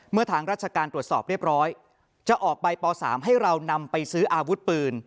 ทางราชการตรวจสอบเรียบร้อยจะออกใบป๓ให้เรานำไปซื้ออาวุธปืน